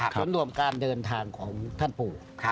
ส่วนรวมการเดินทางของท่านปู่